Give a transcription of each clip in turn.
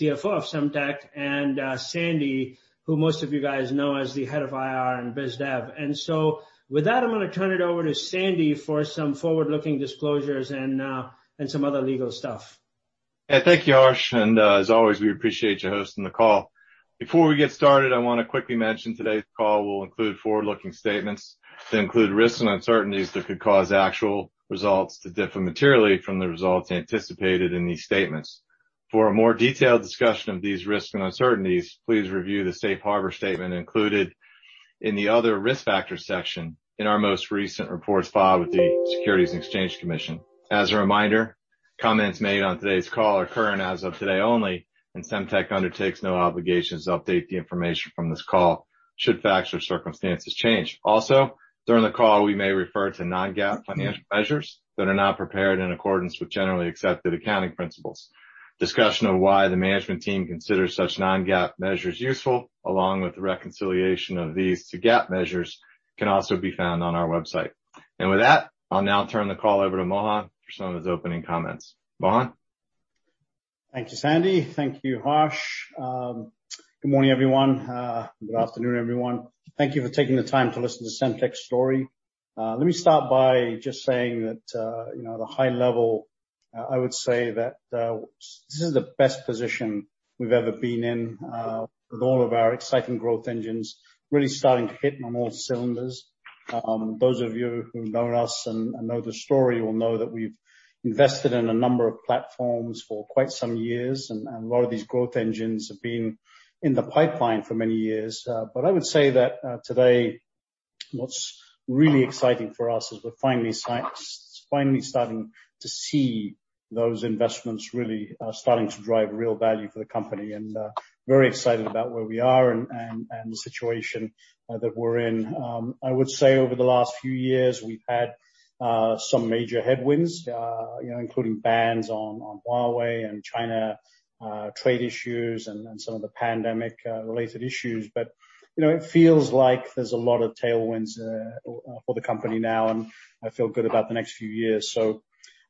CFO of Semtech and Sandy, who most of you guys know as the Head of IR and Biz Dev. With that, I'm going to turn it over to Sandy for some forward-looking disclosures and some other legal stuff. Thank you, Harsh, and as always, we appreciate you hosting the call. Before we get started, I want to quickly mention today's call will include forward-looking statements that include risks and uncertainties that could cause actual results to differ materially from the results anticipated in these statements. For a more detailed discussion of these risks and uncertainties, please review the safe harbor statement included in the Other Risk Factors section in our most recent reports filed with the Securities and Exchange Commission. As a reminder, comments made on today's call are current as of today only, and Semtech undertakes no obligations to update the information from this call should facts or circumstances change. Also, during the call, we may refer to non-GAAP financial measures that are not prepared in accordance with generally accepted accounting principles. Discussion of why the management team considers such non-GAAP measures useful, along with the reconciliation of these to GAAP measures, can also be found on our website. With that, I'll now turn the call over to Mohan for some of his opening comments. Mohan? Thank you, Sandy. Thank you, Harsh. Good morning, everyone. Good afternoon, everyone. Thank you for taking the time to listen to Semtech's story. Let me start by just saying that, the high level, I would say that this is the best position we've ever been in, with all of our exciting growth engines really starting to hit on all cylinders. Those of you who know us and know the story will know that we've invested in a number of platforms for quite some years, a lot of these growth engines have been in the pipeline for many years. I would say that today, what's really exciting for us is we're finally starting to see those investments really starting to drive real value for the company, and very excited about where we are and the situation that we're in. I would say over the last few years, we've had some major headwinds, including bans on Huawei and China trade issues and some of the pandemic related issues but it feels like there's a lot of tailwinds for the company now, and I feel good about the next few years.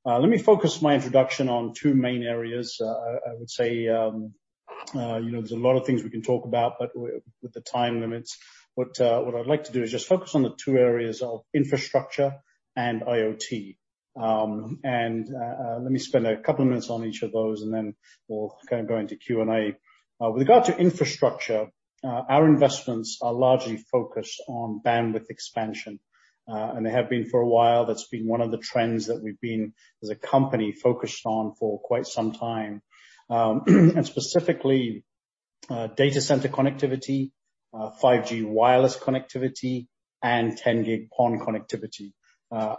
Let me focus my introduction on two main areas. I would say, there's a lot of things we can talk about, but with the time limits. What I'd like to do is just focus on the two areas of infrastructure and IoT. Let me spend a couple of minutes on each of those, and then we'll go into Q&A. With regard to infrastructure, our investments are largely focused on bandwidth expansion, and they have been for a while. That's been one of the trends that we've been, as a company, focused on for quite some time. Specifically, data center connectivity, 5G wireless connectivity, and 10G PON connectivity.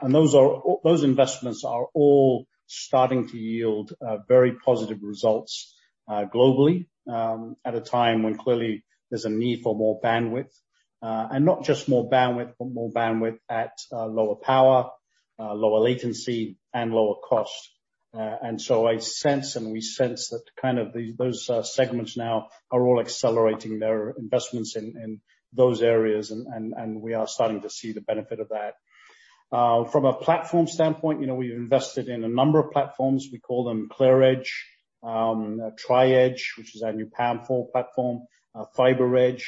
Those investments are all starting to yield very positive results globally, at a time when clearly there's a need for more bandwidth. Not just more bandwidth, but more bandwidth at lower power, lower latency and lower cost. I sense, and we sense that those segments now are all accelerating their investments in those areas, and we are starting to see the benefit of that. From a platform standpoint, we've invested in a number of platforms. We call them ClearEdge, Tri-Edge, which is our new PAM4 platform, FiberEdge,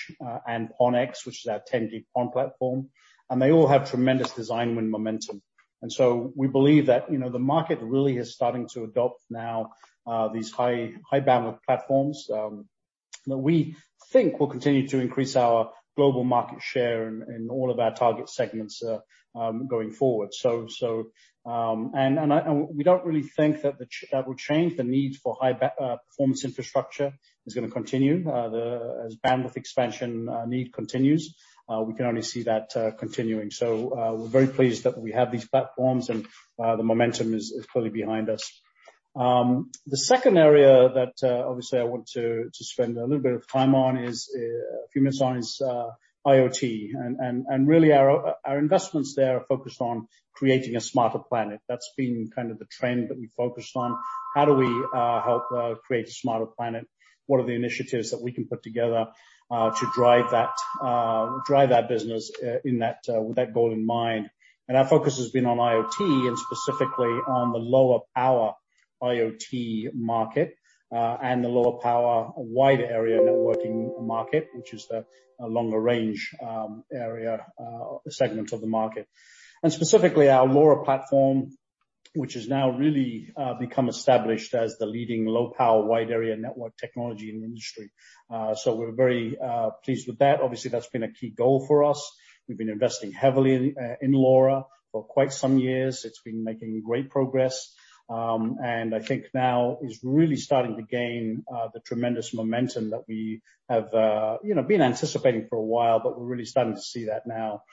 and PON-X, which is our 10G PON platform, and they all have tremendous design win momentum. We believe that the market really is starting to adopt now these high bandwidth platforms, that we think will continue to increase our global market share in all of our target segments going forward and we don't really think that will change. The need for high performance infrastructure is going to continue. As bandwidth expansion need continues, we can only see that continuing, so we're very pleased that we have these platforms and the momentum is clearly behind us. The second area that obviously I want to spend a little bit of time on is IoT and really our investments there are focused on creating a smarter planet. That's been kind of the trend that we focused on. How do we help create a smarter planet? What are the initiatives that we can put together to drive that business with that goal in mind? Our focus has been on IoT and specifically on the lower power IoT market, and the lower power wide area networking market, which is a longer range area segment of the market. Specifically our LoRa platform, which has now really become established as the leading low power wide area network technology in the industry. We're very pleased with that. Obviously, that's been a key goal for us. We've been investing heavily in LoRa for quite some years. It's been making great progress. I think now is really starting to gain the tremendous momentum that we have been anticipating for a while, but we're really starting to see that now.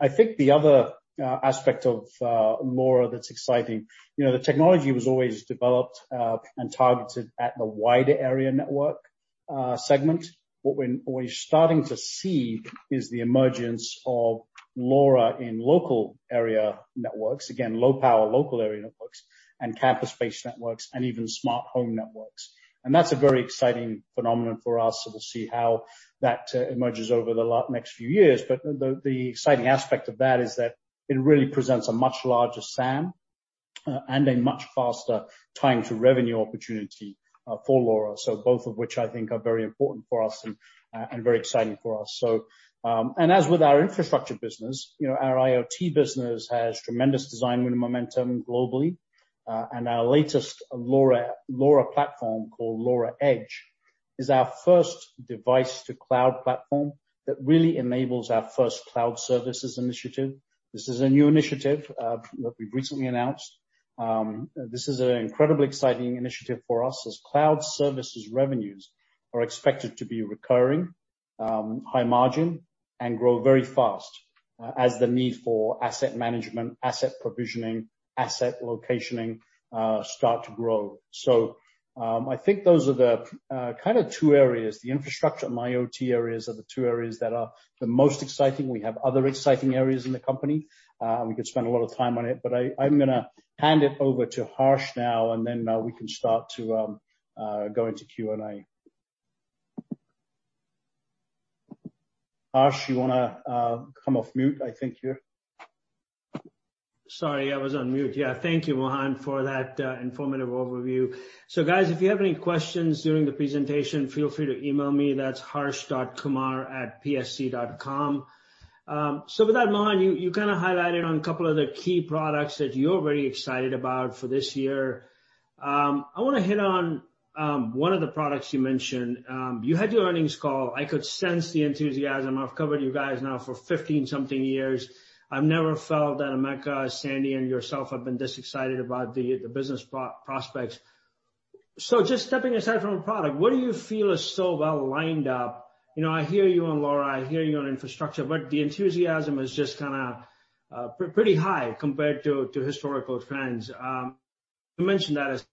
I think the other aspect of LoRa that's exciting, the technology was always developed and targeted at the wider area network segment. What we're starting to see is the emergence of LoRa in local area networks. Again, low power local area networks and campus-based networks and even smart home networks. That's a very exciting phenomenon for us, so we'll see how that emerges over the next few years. The exciting aspect of that is that it really presents a much larger SAM and a much faster time to revenue opportunity for LoRa, so both of which I think are very important for us and very exciting for us. As with our infrastructure business, our IoT business has tremendous design win momentum globally. Our latest LoRa platform called LoRa Edge is our first device to cloud platform that really enables our first cloud services initiative. This is a new initiative that we've recently announced. This is an incredibly exciting initiative for us, as cloud services revenues are expected to be recurring, high margin, and grow very fast as the need for asset management, asset provisioning, asset locationing start to grow. I think those are the kind of two areas, the infrastructure and IoT areas are the two areas that are the most exciting. We have other exciting areas in the company, and we could spend a lot of time on it. I'm going to hand it over to Harsh now, and then we can start to go into Q&A. Harsh, you want to come off mute, I think. Sorry, I was on mute. Yeah. Thank you, Mohan, for that informative overview. Guys, if you have any questions during the presentation, feel free to email me. That's harsh.kumar@psc.com. With that, Mohan, you kind of highlighted on a couple of the key products that you're very excited about for this year. I want to hit on one of the products you mentioned. You had your earnings call. I could sense the enthusiasm. I've covered you guys now for 15-something years. I've never felt that Emeka, Sandy, and yourself have been this excited about the business prospects. Just stepping aside from a product, what do you feel is so well lined up? I hear you on LoRa, I hear you on infrastructure, but the enthusiasm is just kind of pretty high compared to historical trends. You mentioned that as-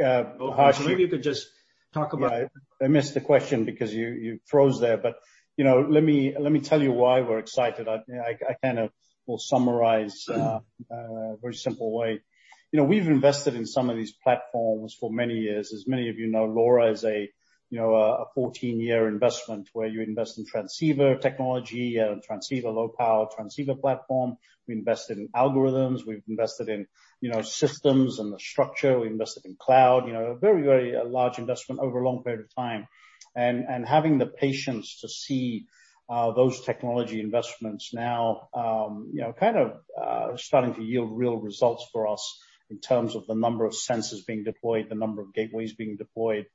Harsh- ...maybe you could just talk about. I missed the question because you froze there. Let me tell you why we're excited. I kind of will summarize in a very simple way. We've invested in some of these platforms for many years. As many of you know, LoRa is a 14-year investment where you invest in transceiver technology and transceiver low power transceiver platform. We invested in algorithms, we've invested in systems and the structure. We invested in cloud. A very large investment over a long period of time. Having the patience to see those technology investments now kind of starting to yield real results for us in terms of the number of sensors being deployed, the number of gateways being deployed,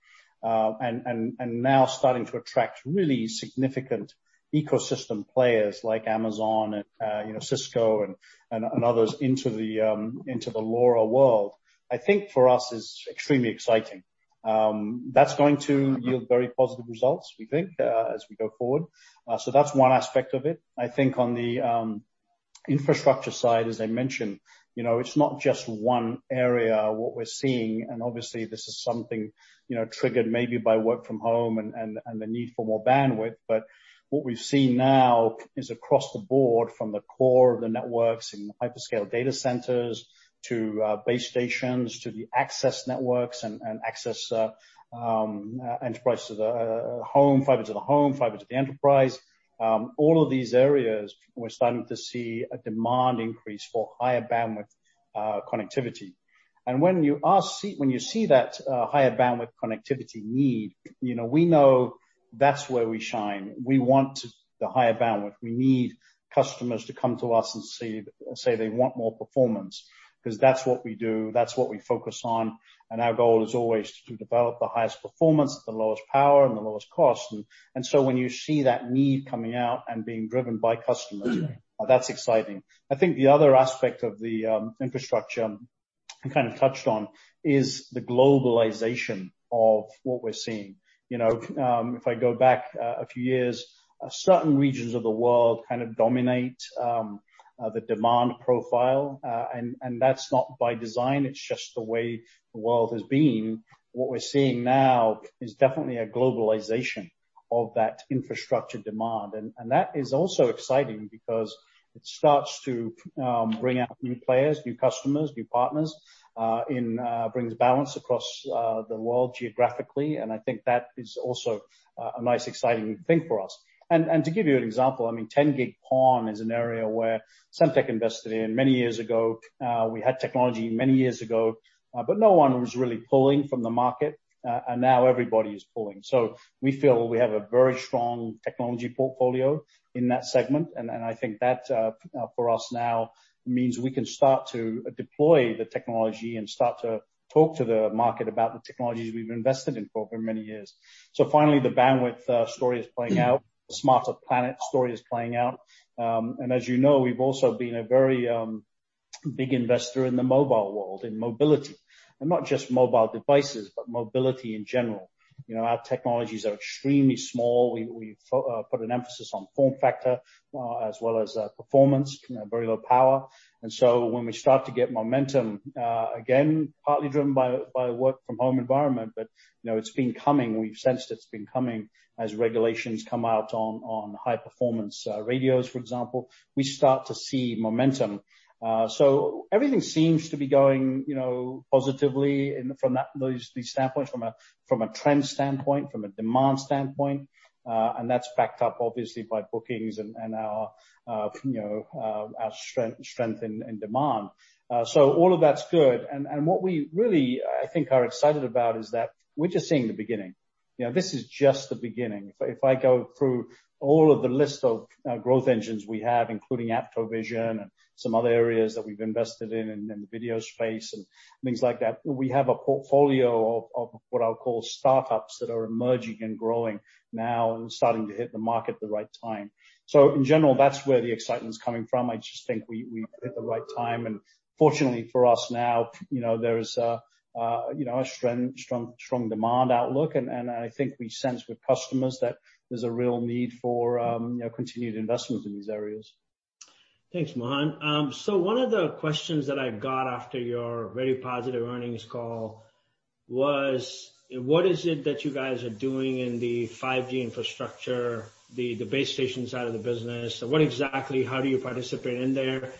and now starting to attract really significant ecosystem players like Amazon and Cisco and others into the LoRa world, I think for us is extremely exciting. That's going to yield very positive results, we think, as we go forward. That's one aspect of it. I think on the infrastructure side, as I mentioned, it's not just one area, what we're seeing, and obviously this is something triggered maybe by work from home and the need for more bandwidth. What we've seen now is across the Board from the core of the networks in the hyperscale data centers to base stations, to the access networks and access enterprise to the home, fiber to the home, fiber to the enterprise. All of these areas, we're starting to see a demand increase for higher bandwidth connectivity. When you see that higher bandwidth connectivity need, we know that's where we shine. We want the higher bandwidth. We need customers to come to us and say they want more performance, because that's what we do, that's what we focus on, and our goal is always to develop the highest performance at the lowest power and the lowest cost. When you see that need coming out and being driven by customers, that's exciting. I think the other aspect of the infrastructure you kind of touched on is the globalization of what we're seeing. If I go back a few years, certain regions of the world kind of dominate the demand profile. That's not by design, it's just the way the world has been. What we're seeing now is definitely a globalization of that infrastructure demand and that is also exciting because it starts to bring out new players, new customers, new partners, and brings balance across the world geographically and I think that is also a nice exciting thing for us. To give you an example, 10G-PON is an area where Semtech invested in many years ago. We had technology many years ago, but no one was really pulling from the market and now everybody is pulling. We feel we have a very strong technology portfolio in that segment. I think that for us now means we can start to deploy the technology and start to talk to the market about the technologies we've invested in for over many years. Finally the bandwidth story is playing out, the smarter planet story is playing out. As you know, we've also been a very big investor in the mobile world, in mobility. Not just mobile devices, but mobility in general. Our technologies are extremely small. We've put an emphasis on form factor as well as performance, very low power. When we start to get momentum, again, partly driven by work from home environment, but it's been coming. We've sensed it's been coming as regulations come out on high performance radios, for example. We start to see momentum. Everything seems to be going positively from those standpoint, from a trend standpoint, from a demand standpoint and hat's backed up, obviously, by bookings and our strength in demand. All of that's good. What we really, I think, are excited about is that we're just seeing the beginning. This is just the beginning. If I go through all of the list of growth engines we have, including AptoVision and some other areas that we've invested in the video space and things like that, we have a portfolio of what I'll call startups that are emerging and growing now and starting to hit the market at the right time. In general, that's where the excitement is coming from. I just think we've hit the right time, and fortunately for us now, there is a strong demand outlook, and I think we sense with customers that there's a real need for continued investments in these areas. Thanks, Mohan. One of the questions that I got after your very positive earnings call was, what is it that you guys are doing in the 5G infrastructure, the base station side of the business? What exactly, how do you participate in there?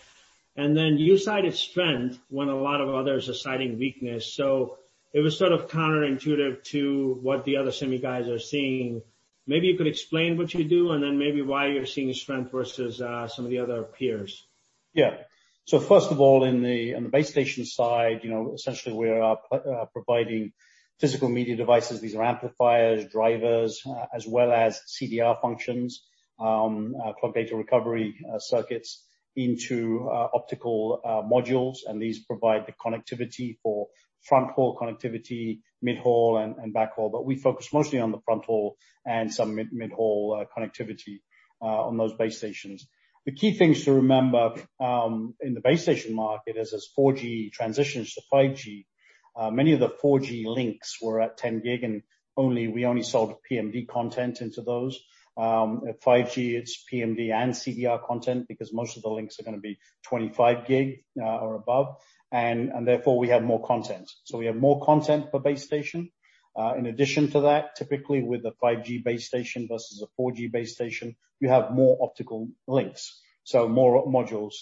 You cited strength when a lot of others are citing weakness, so it was sort of counterintuitive to what the other semi guys are seeing. Maybe you could explain what you do and then maybe why you're seeing strength versus some of the other peers. Yeah. First of all, on the base station side, essentially we are providing physical media devices. These are amplifiers, drivers, as well as CDR functions, clock data recovery circuits into optical modules, and these provide the connectivity for front-haul connectivity, mid-haul, and backhaul. We focus mostly on the front haul and some mid-haul connectivity on those base stations. The key things to remember in the base station market is as 4G transitions to 5G, many of the 4G links were at 10 G and we only sold PMD content into those. At 5G, it's PMD and CDR content because most of the links are going to be 25 G or above, and therefore we have more content. We have more content per base station. In addition to that, typically with a 5G base station versus a 4G base station, you have more optical links, so more modules.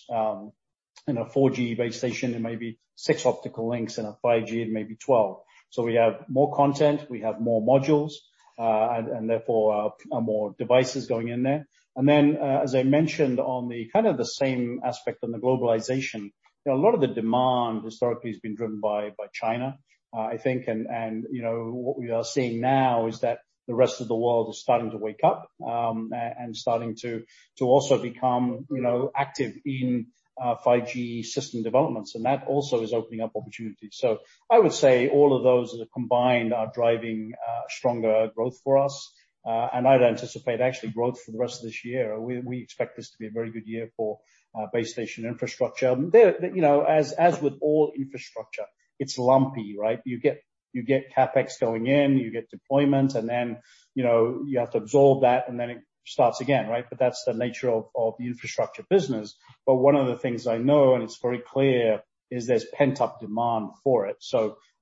In a 4G base station, it may be six optical links. In a 5G, it may be 12G. We have more content, we have more modules, and therefore, more devices going in there. As I mentioned on the same aspect on the globalization, a lot of the demand historically has been driven by China, I think, and what we are seeing now is that the rest of the world is starting to wake up and starting to also become active in 5G system developments, so that also is opening up opportunities. I would say all of those combined are driving stronger growth for us. I'd anticipate actually growth for the rest of this year. We expect this to be a very good year for base station infrastructure. As with all infrastructure, it's lumpy, right? You get CapEx going in, you get deployment, you have to absorb that, and then it starts again, right? That's the nature of the infrastructure business. One of the things I know, and it's very clear, is there's pent-up demand for it.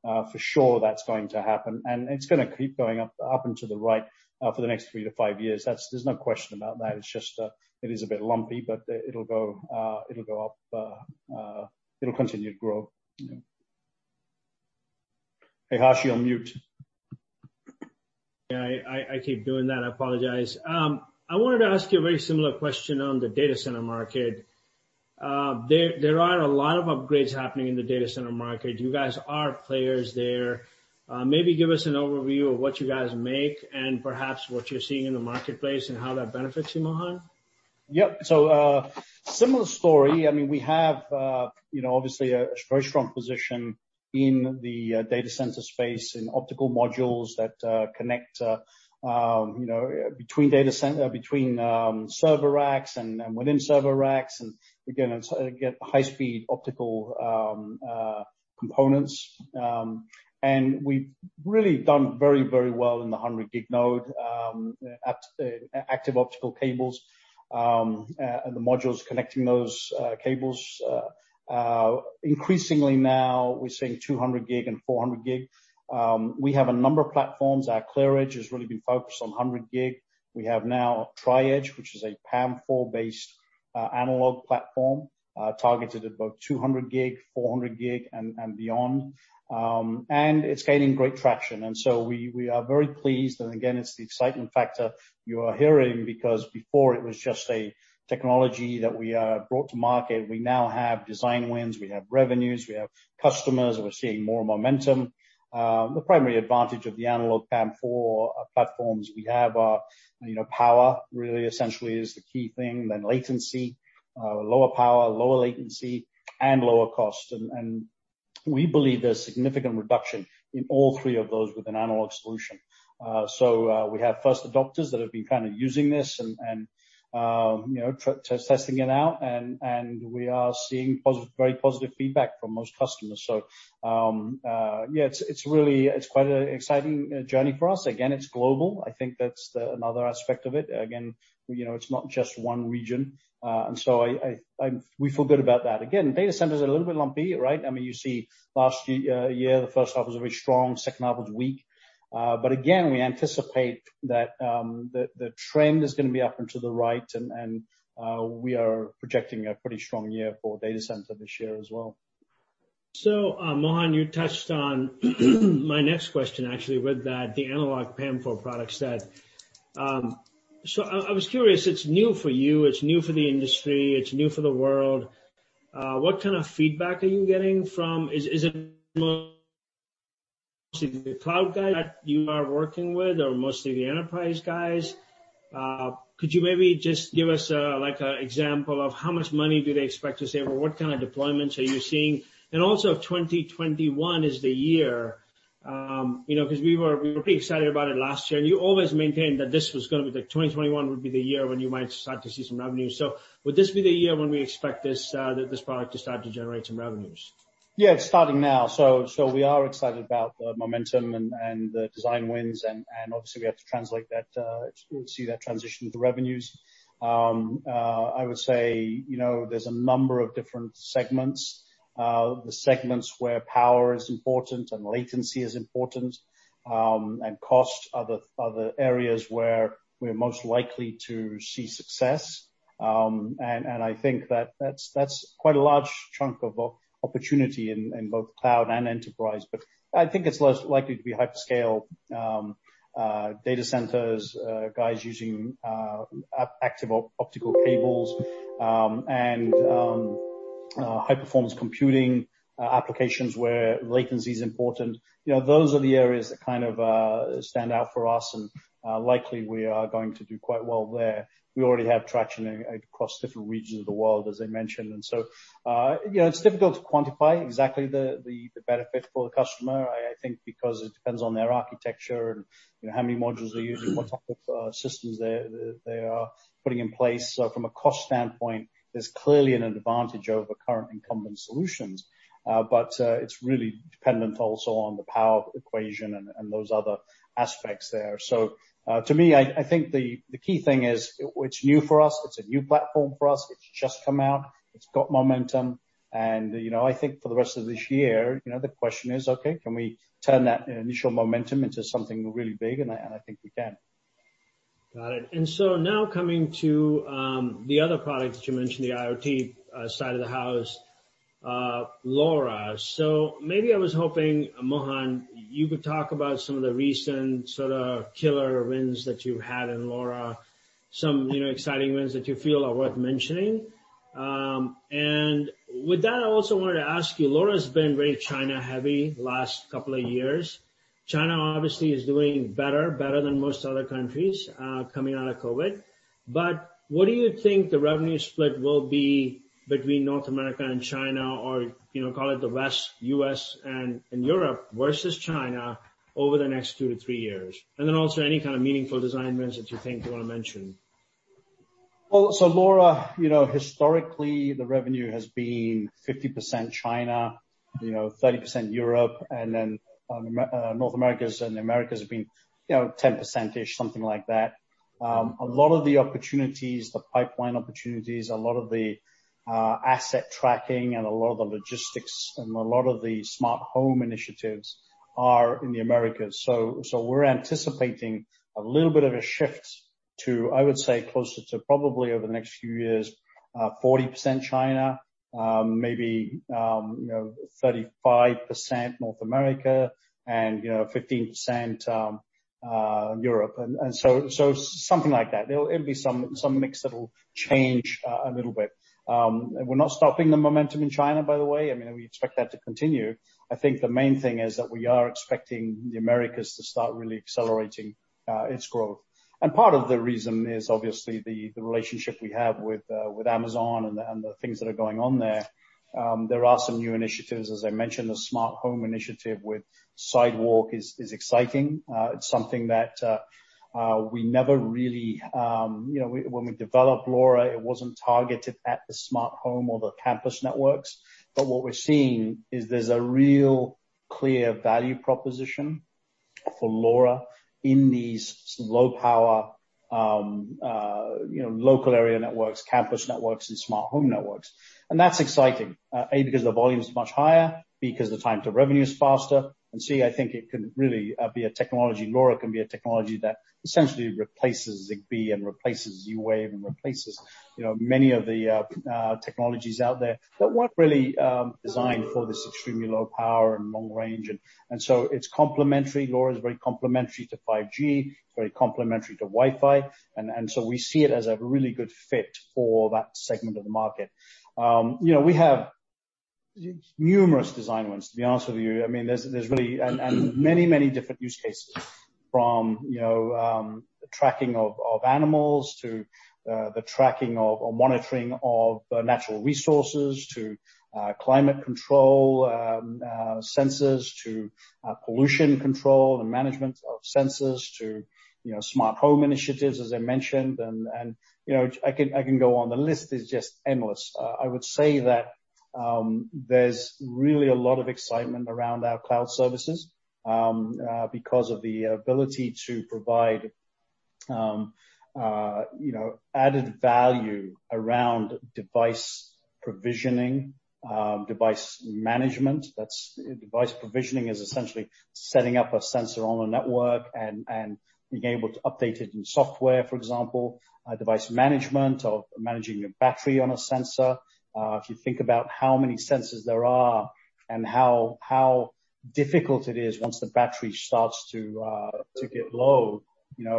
For sure that's going to happen, and it's going to keep going up and to the right for the next three to five years. There's no question about that. It's just, it is a bit lumpy, it'll go up. It'll continue to grow. Hey, Harsh, you're on mute. Yeah, I keep doing that. I apologize. I wanted to ask you a very similar question on the data center market. There are a lot of upgrades happening in the data center market. You guys are players there. Maybe give us an overview of what you guys make and perhaps what you're seeing in the marketplace and how that benefits you, Mohan. Yep. Similar story. We have obviously a very strong position in the data center space in optical modules that connect between server racks and within server racks, and again, get high-speed optical components. We've really done very well in the 100G node, active optical cables, and the modules connecting those cables. Increasingly now, we're seeing 200G and 400G. We have a number of platforms. Our ClearEdge has really been focused on 100G. We have now TriEdge, which is a PAM4-based analog platform targeted at both 200G, 400G, and beyond. It's gaining great traction and so we are very pleased, and again, it's the excitement factor you are hearing because before it was just a technology that we brought to market and we now have design wins, we have revenues, we have customers, and we're seeing more momentum. The primary advantage of the analog PAM4 platforms we have are power really essentially is the key thing, then latency. Lower power, lower latency, and lower cost. We believe there's significant reduction in all three of those with an analog solution. We have first adopters that have been kind of using this and testing it out, and we are seeing very positive feedback from most customers. Yeah, it's quite an exciting journey for us. Again, it's global. I think that's another aspect of it. Again, it's not just one region and so we feel good about that. Again, data centers are a little bit lumpy, right? You see last year, the first half was very strong, second half was weak. Again, we anticipate that the trend is going to be up and to the right, and we are projecting a pretty strong year for data center this year as well. Mohan, you touched on my next question, actually, with that, the analog PAM4 product set. I was curious, it's new for you, it's new for the industry, it's new for the world. What kind of feedback are you getting? Is it mostly the cloud guys that you are working with, or mostly the enterprise guys? Could you maybe just give us an example of how much money do they expect to save, or what kind of deployments are you seeing? Also, 2021 is the year, because we were pretty excited about it last year, and you always maintained that 2021 would be the year when you might start to see some revenue. Would this be the year when we expect this product to start to generate some revenues? Yeah, it's starting now. We are excited about the momentum and the design wins, and obviously, we have to see that transition to revenues. I would say, there's a number of different segments. The segments where power is important and latency is important, and cost are the areas where we're most likely to see success. I think that's quite a large chunk of opportunity in both cloud and enterprise. I think it's less likely to be hyperscale data centers, guys using active optical cables, and high-performance computing applications where latency is important. Those are the areas that kind of stand out for us, and likely we are going to do quite well there. We already have traction across different regions of the world, as I mentioned. It's difficult to quantify exactly the benefit for the customer, I think because it depends on their architecture and how many modules they're using, what type of systems they are putting in place. From a cost standpoint, there's clearly an advantage over current incumbent solutions. It's really dependent also on the power equation and those other aspects there. To me, I think the key thing is, it's new for us. It's a new platform for us. It's just come out. It's got momentum, and I think for the rest of this year, the question is, okay, can we turn that initial momentum into something really big? I think we can. Got it. Now coming to the other product that you mentioned, the IoT side of the house, LoRa. Maybe I was hoping, Mohan, you could talk about some of the recent sort of killer wins that you've had in LoRa, some exciting wins that you feel are worth mentioning. With that, I also wanted to ask you, LoRa's been very China-heavy last couple of years. China obviously is doing better than most other countries coming out of COVID. What do you think the revenue split will be between North America and China, or call it the West, U.S. and Europe versus China over the next two to three years? Then also any kind of meaningful design wins that you think you want to mention. Also, LoRa, historically, the revenue has been 50% China, 30% Europe, and then North America and the Americas have been 10%-ish, something like that. A lot of the opportunities, the pipeline opportunities, a lot of the asset tracking and a lot of the logistics and a lot of the smart home initiatives are in the Americas. We're anticipating a little bit of a shift to, I would say closer to probably over the next few years, 40% China, maybe 35% North America and 15% Europe. Something like that. It'll be some mix that'll change a little bit. We're not stopping the momentum in China, by the way. We expect that to continue. I think the main thing is that we are expecting the Americas to start really accelerating its growth. Part of the reason is obviously the relationship we have with Amazon and the things that are going on there. There are some new initiatives, as I mentioned, the smart home initiative with Sidewalk is exciting. It's something that when we developed LoRa, it wasn't targeted at the smart home or the campus networks. What we're seeing is there's a real clear value proposition for LoRa in these low power local area networks, campus networks, and smart home networks. That's exciting. A, because the volume is much higher, B, because the time to revenue is faster, and C, I think LoRa can be a technology that essentially replaces Zigbee and replaces Z-Wave and replaces many of the technologies out there that weren't really designed for this extremely low power and long range and so it's complementary. LoRa is very complementary to 5G, very complementary to Wi-Fi, and so we see it as a really good fit for that segment of the market. We have numerous design wins, to be honest with you. There's really many different use cases from tracking of animals to the tracking or monitoring of natural resources, to climate control sensors, to pollution control and management of sensors to smart home initiatives, as I mentioned. I can go on. The list is just endless. I would say that there's really a lot of excitement around our cloud services because of the ability to provide added value around device provisioning, device management. Device provisioning is essentially setting up a sensor on a network and being able to update it in software, for example. Device management or managing your battery on a sensor. If you think about how many sensors there are and how difficult it is once the battery starts to get low,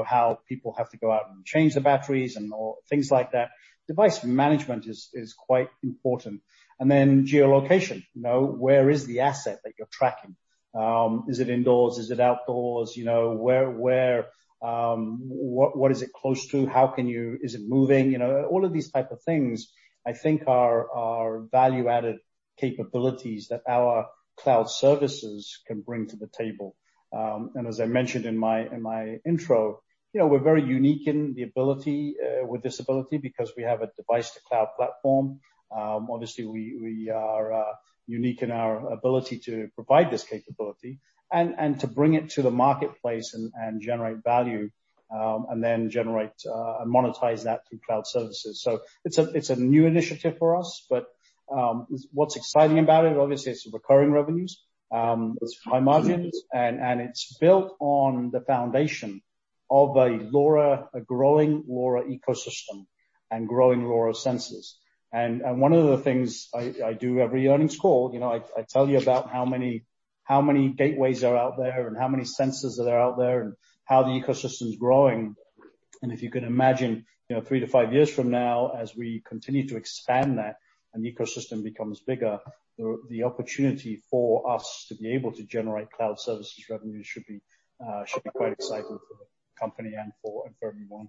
how people have to go out and change the batteries and things like that, device management is quite important. Then geolocation, where is the asset that you're tracking? Is it indoors? Is it outdoors? What is it close to? Is it moving? All of these type of things, I think, are value-added capabilities that our cloud services can bring to the table. As I mentioned in my intro, we're very unique with this ability because we have a device to cloud platform. Obviously, we are unique in our ability to provide this capability and to bring it to the marketplace and generate value, and then generate and monetize that through cloud services. It's a new initiative for us, but what's exciting about it, obviously, it's recurring revenues, it's high margins, and it's built on the foundation of a growing LoRa ecosystem and growing LoRa sensors. One of the things I do every earnings call, I tell you about how many gateways are out there and how many sensors that are out there and how the ecosystem is growing. If you can imagine, three to five years from now, as we continue to expand that and the ecosystem becomes bigger, the opportunity for us to be able to generate cloud services revenue should be quite exciting for the company and for everyone.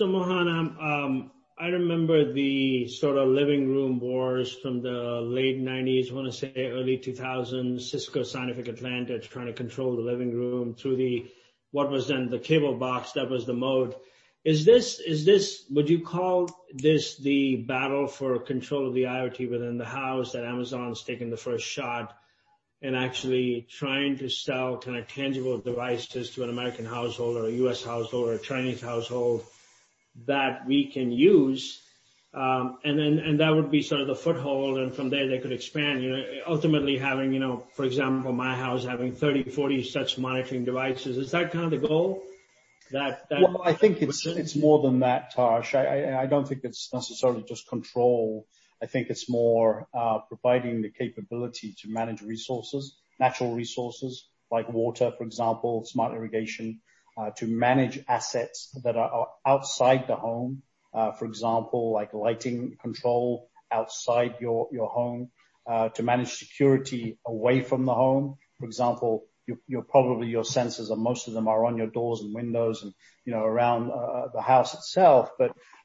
Mohan, I remember the sort of living room wars from the late 1990s, I want to say early 2000s, Cisco, Scientific-Atlanta, trying to control the living room through the, what was then the cable box. That was the mode. Would you call this the battle for control of the IoT within the house, that Amazon's taking the first shot and actually trying to sell kind of tangible devices to an American household or a U.S. household or a Chinese household that we can use, and then and that would be sort of the foothold, and from there, they could expand. Ultimately having, for example, my house having 30, 40 such monitoring devices. Is that kind of the goal that? Well, I think it's more than that, Harsh. I don't think it's necessarily just control. I think it's more providing the capability to manage resources, natural resources like water, for example, smart irrigation, to manage assets that are outside the home. For example, like lighting control outside your home, to manage security away from the home. For example, probably your sensors or most of them are on your doors and windows and around the house itself.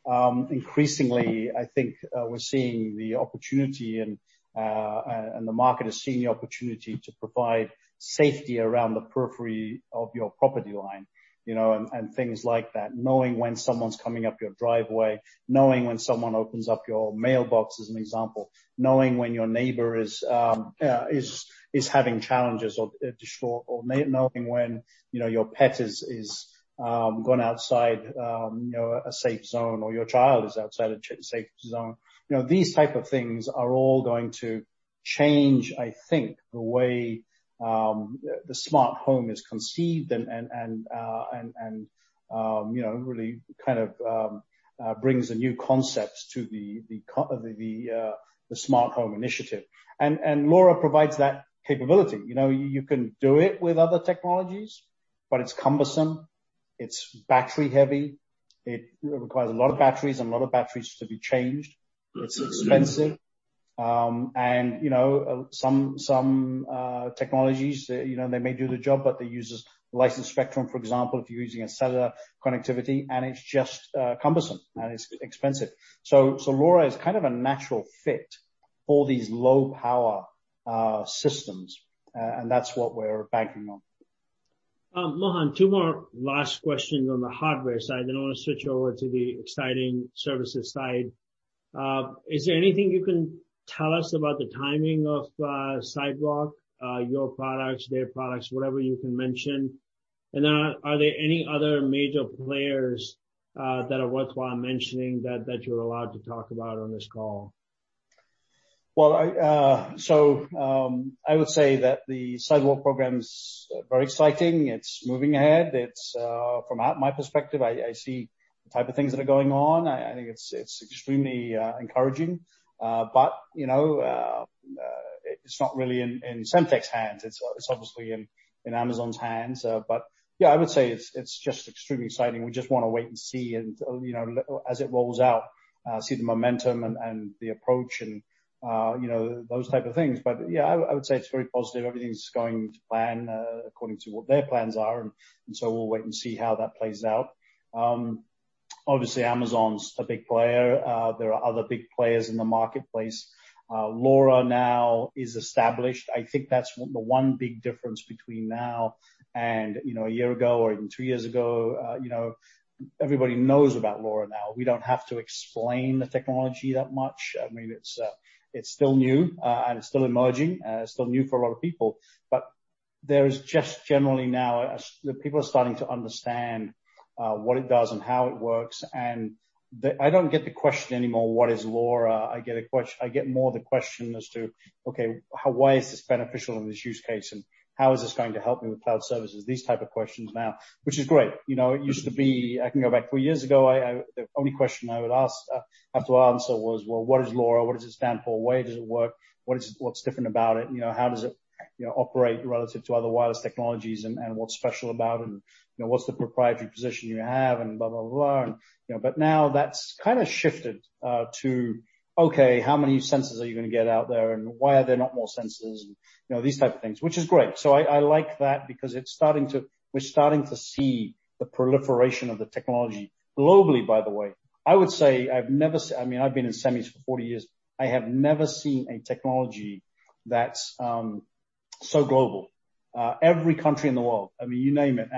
Increasingly, I think we're seeing the opportunity and the market is seeing the opportunity to provide safety around the periphery of your property line, and things like that. Knowing when someone's coming up your driveway, knowing when someone opens up your mailbox, as an example, knowing when your neighbor is having challenges or knowing when your pet has gone outside a safe zone or your child is outside a safe zone. These type of things are all going to change, I think, the way the smart home is conceived and really kind of brings a new concept to the smart home initiative. LoRa provides that capability. You can do it with other technologies, but it's cumbersome, it's battery-heavy, it requires a lot of batteries to be changed. It's expensive. Some technologies, they may do the job, but they use licensed spectrum, for example, if you're using a cellular connectivity, and it's just cumbersome and it's expensive. LoRa is kind of a natural fit for these low-power systems, and that's what we're banking on. Mohan, two more last questions on the hardware side. I want to switch over to the exciting services side. Is there anything you can tell us about the timing of Sidewalk, your products, their products, whatever you can mention? Are there any other major players that are worthwhile mentioning that you're allowed to talk about on this call? I would say that the Amazon Sidewalk program is very exciting. It's moving ahead. From my perspective, I see the type of things that are going on. I think it's extremely encouraging but it's not really in Semtech's hands. It's obviously in Amazon's hands. I would say it's just extremely exciting. We just want to wait and see as it rolls out, see the momentum and the approach and those type of things. I would say it's very positive. Everything's going to plan according to what their plans are, and so we'll wait and see how that plays out. Obviously, Amazon's a big player. There are other big players in the marketplace. LoRa now is established. I think that's the one big difference between now and a year ago or even three years ago. Everybody knows about LoRa now. We don't have to explain the technology that much. I mean, it's still new and it's still emerging. It's still new for a lot of people. There is just generally now, people are starting to understand what it does and how it works, and I don't get the question anymore, what is LoRa? I get more the question as to, "Okay, why is this beneficial in this use case, and how is this going to help me with cloud services?" These type of questions now, which is great. It used to be, I can go back three years ago, the only question I would have to answer was, "Well, what is LoRa? What does it stand for? Why does it work? What's different about it? How does it operate relative to other wireless technologies and what's special about it? What's the proprietary position you have?" Blah, blah. Now that's kind of shifted to, "Okay, how many sensors are you going to get out there, and why are there not more sensors?" These type of things, which is great. I like that because we're starting to see the proliferation of the technology globally, by the way. I've been in semis for 40 years. I have never seen a technology that's so global. Every country in the world, you name it.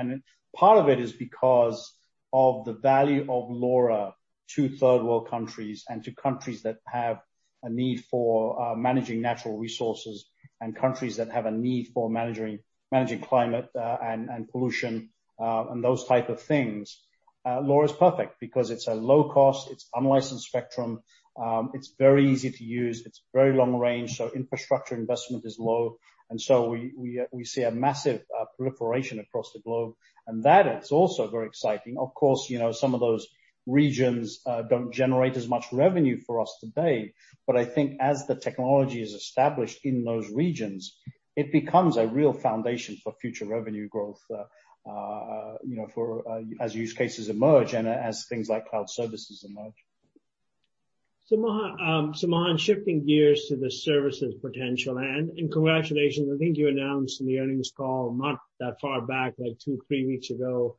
Part of it is because of the value of LoRa to Third World countries and to countries that have a need for managing natural resources and countries that have a need for managing climate and pollution, and those type of things. LoRa is perfect because it's a low cost, it's unlicensed spectrum, it's very easy to use, it's very long range, so infrastructure investment is low and so we see a massive proliferation across the globe, and that is also very exciting. Of course, some of those regions don't generate as much revenue for us today. I think as the technology is established in those regions, it becomes a real foundation for future revenue growth, as use cases emerge and as things like cloud services emerge. Mohan, shifting gears to the services potential and congratulations, I think you announced in the earnings call not that far back, like two, three weeks ago,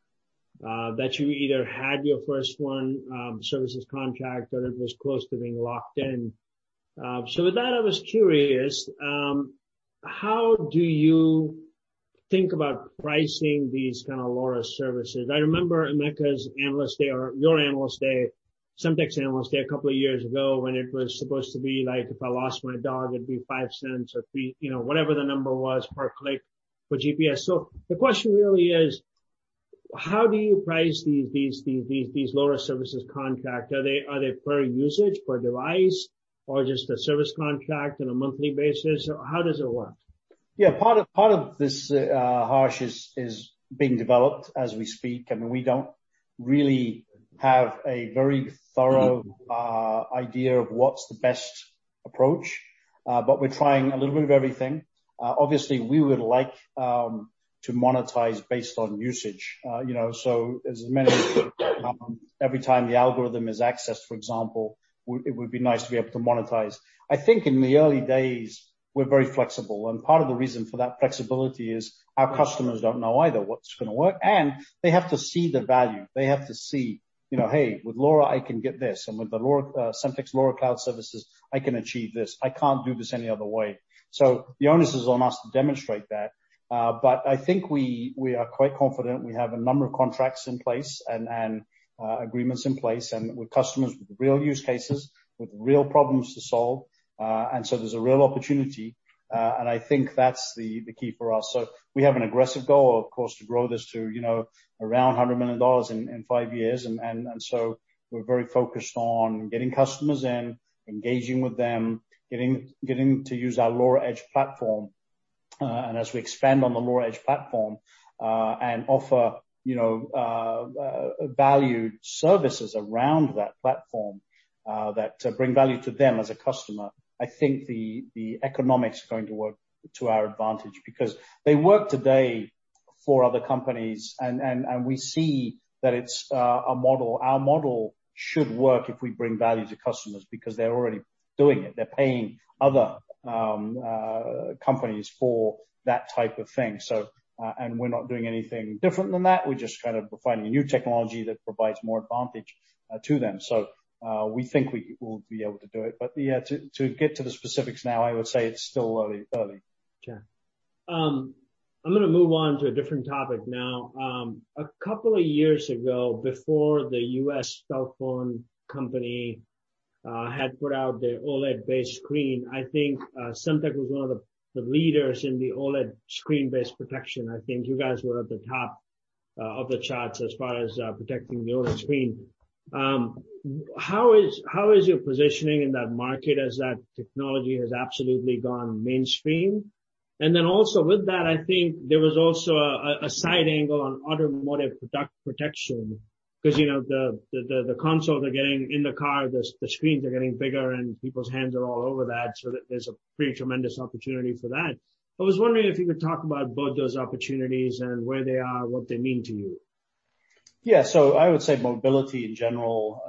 that you either had your first one, services contract, or it was close to being locked in. With that, I was curious, how do you think about pricing these kind of LoRa services? I remember in Emeka's Analyst Day or your Analyst Day, Semtech's Analyst Day a couple of years ago when it was supposed to be like, if I lost my dog, it'd be $0.05 or whatever the number was per click for GPS. The question really is, how do you price these LoRa services contract? Are they per usage, per device, or just a service contract on a monthly basis? How does it work? Yeah. Part of this, Harsh, is being developed as we speak and we don't really have a very thorough idea of what's the best approach but we're trying a little bit of everything. Obviously, we would like to monetize based on usage. As every time the algorithm is accessed, for example, it would be nice to be able to monetize. I think in the early days, we're very flexible, and part of the reason for that flexibility is our customers don't know either what's going to work, and they have to see the value. They have to see, "Hey, with LoRa, I can get this. With the Semtech's LoRa cloud services, I can achieve this. I can't do this any other way." The onus is on us to demonstrate that. I think we are quite confident we have a number of contracts in place and agreements in place and with customers with real use cases, with real problems to solve and so there's a real opportunity, and I think that's the key for us. We have an aggressive goal, of course, to grow this to around $100 million in five years. We're very focused on getting customers in, engaging with them, getting to use our LoRa Edge platform. As we expand on the LoRa Edge platform, and offer valued services around that platform that bring value to them as a customer, I think the economics are going to work to our advantage because they work today for other companies, and we see that it's a model. Our model should work if we bring value to customers because they're already doing it. They're paying other companies for that type of thing. We're not doing anything different than that. We're just kind of providing a new technology that provides more advantage to them. We think we will be able to do it, but yeah, to get to the specifics now, I would say it's still early. Sure. I'm going to move on to a different topic now. A couple of years ago, before the U.S. cell phone company had put out their OLED-based screen, I think Semtech was one of the leaders in the OLED screen-based protection. I think you guys were at the top of the charts as far as protecting the OLED screen. How is your positioning in that market as that technology has absolutely gone mainstream? Also with that, I think there was also a side angle on automotive protection because the consoles are getting in the car, the screens are getting bigger, and people's hands are all over that, so there's a pretty tremendous opportunity for that. I was wondering if you could talk about both those opportunities and where they are, what they mean to you. I would say mobility in general.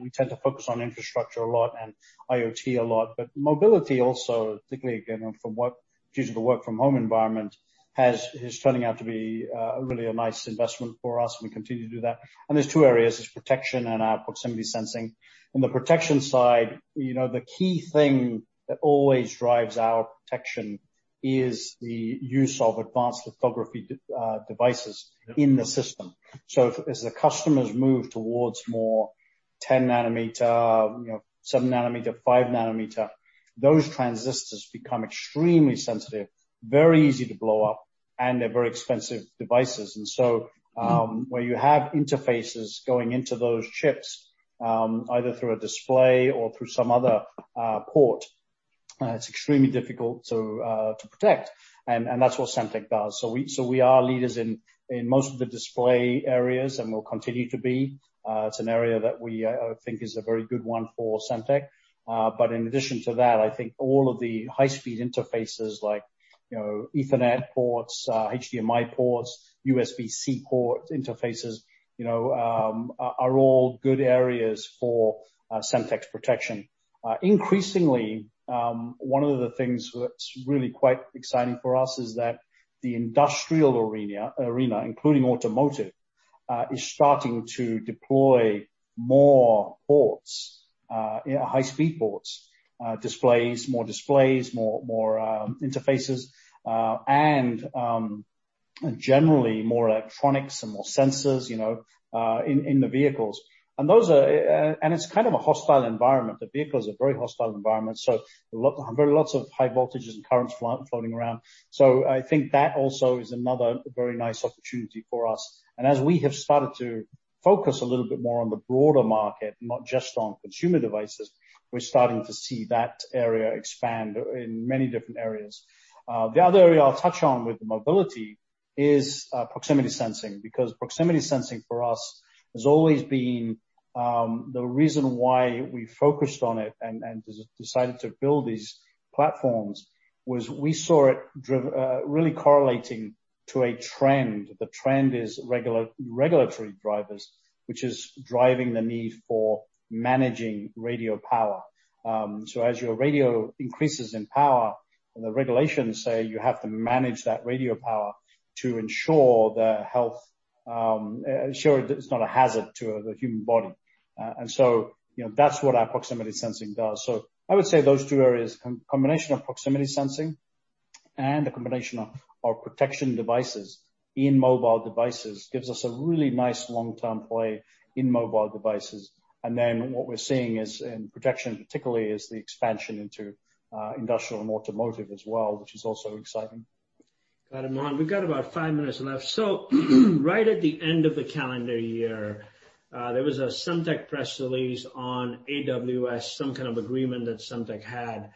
We tend to focus on infrastructure a lot and IoT a lot. Mobility also, particularly again, from what due to the work from home environment, is turning out to be really a nice investment for us, and we continue to do that. There's two areas. There's protection and our proximity sensing. On the protection side, the key thing that always drives our protection is the use of advanced lithography devices in the system. As the customers move towards more 10nm, 7nm, 5nm. Those transistors become extremely sensitive, very easy to blow up, and they're very expensive devices. Where you have interfaces going into those chips, either through a display or through some other port, it's extremely difficult to protect. That's what Semtech does. We are leaders in most of the display areas, and we'll continue to be. It's an area that we think is a very good one for Semtech. In addition to that, I think all of the high-speed interfaces like Ethernet ports, HDMI ports, USB-C port interfaces, are all good areas for Semtech's protection. Increasingly, one of the things that's really quite exciting for us is that the industrial arena, including automotive, is starting to deploy more high-speed ports, displays, more displays, more interfaces, and generally more electronics and more sensors in the vehicles. It's kind of a hostile environment. The vehicle is a very hostile environment, so very lots of high voltages and currents floating around. I think that also is another very nice opportunity for us. As we have started to focus a little bit more on the broader market, not just on consumer devices, we're starting to see that area expand in many different areas. The other area I'll touch on with mobility is proximity sensing, because proximity sensing for us has always been, the reason why we focused on it and decided to build these platforms, was we saw it really correlating to a trend. The trend is regulatory drivers, which is driving the need for managing radio power. As your radio increases in power, the regulations say you have to manage that radio power to ensure it's not a hazard to the human body. That's what our proximity sensing does. I would say those two areas, combination of proximity sensing and the combination of our protection devices in mobile devices, gives us a really nice long-term play in mobile devices. What we're seeing is in protection particularly, is the expansion into industrial and automotive as well, which is also exciting. Got it, Mohan. We've got about five minutes left. Right at the end of the calendar year, there was a Semtech press release on AWS, some kind of agreement that Semtech had.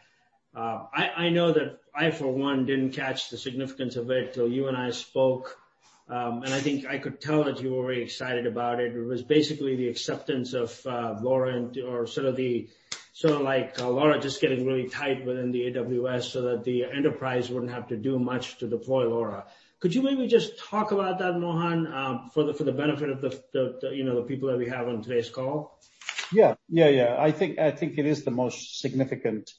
I know that I, for one, didn't catch the significance of it till you and I spoke, and I think I could tell that you were very excited about it. It was basically the acceptance of LoRa or sort of like LoRa just getting really tight within the AWS so that the enterprise wouldn't have to do much to deploy LoRa. Could you maybe just talk about that, Mohan, for the benefit of the people that we have on today's call? Yeah. I think it is the most significant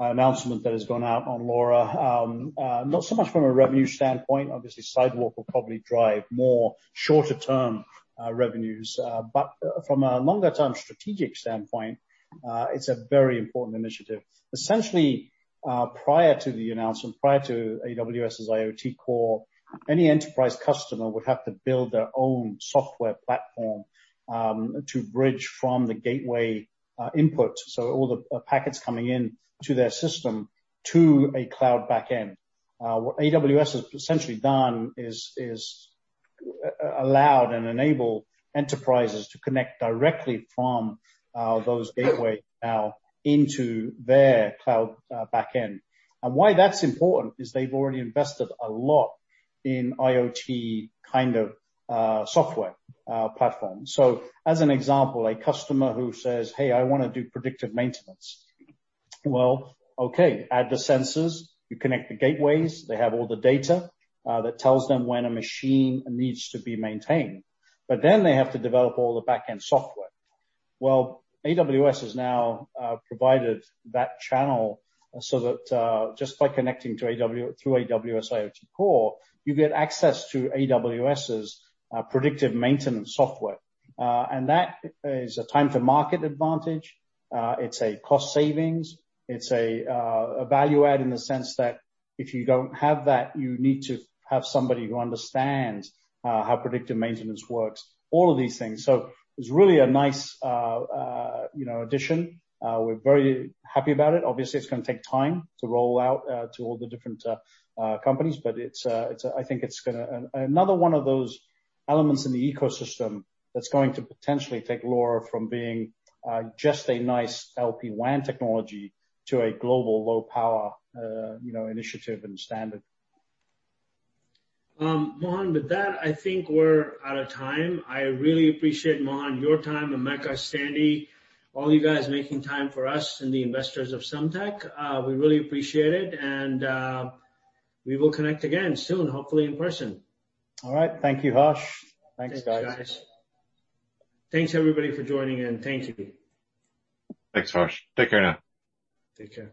announcement that has gone out on LoRa. Not so much from a revenue standpoint. Obviously, Sidewalk will probably drive more shorter-term revenues. From a longer-term strategic standpoint, it's a very important initiative. Essentially, prior to the announcement, prior to AWS's IoT Core, any enterprise customer would have to build their own software platform to bridge from the gateway input, so all the packets coming in to their system, to a cloud backend. What AWS has essentially done is allowed and enabled enterprises to connect directly from those gateway now into their cloud backend. Why that's important is they've already invested a lot in IoT kind of software platform. As an example, a customer who says, "Hey, I want to do predictive maintenance." Well, okay, add the sensors, you connect the gateways. They have all the data that tells them when a machine needs to be maintained. They have to develop all the backend software. AWS has now provided that channel so that just by connecting through AWS IoT Core, you get access to AWS's predictive maintenance software. That is a time-to-market advantage. It's a cost savings. It's a value add in the sense that if you don't have that, you need to have somebody who understands how predictive maintenance works, all of these things. It's really a nice addition. We're very happy about it. Obviously, it's going to take time to roll out to all the different companies, but I think it's another one of those elements in the ecosystem that's going to potentially take LoRa from being just a nice LPWAN technology to a global low-power initiative and standard. Mohan, with that, I think we're out of time. I really appreciate, Mohan, your time, Emeka, Sandy, all you guys making time for us and the investors of Semtech. We really appreciate it. We will connect again soon, hopefully in-person. All right. Thank you, Harsh. Thanks, guys. Thanks, guys. Thanks, everybody, for joining in. Thank you. Thanks, Harsh. Take care now. Take care.